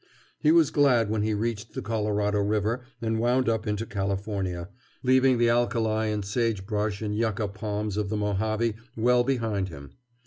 He was glad when he reached the Colorado River and wound up into California, leaving the alkali and sage brush and yucca palms of the Mojave well behind him.